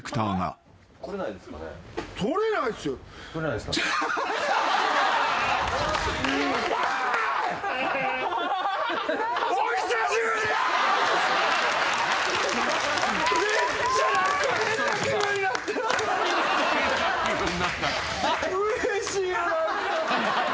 うれしいよ何か。